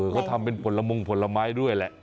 เขาทำเป็นผลมงผลไม้ด้วยแหละ